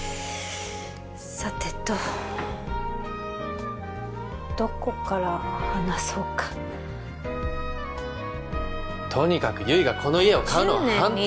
さてとどこから話そうかとにかく悠依がこの家を買うのは反対